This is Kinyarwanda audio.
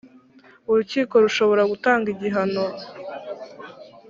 urukiko rushobora gutanga igihano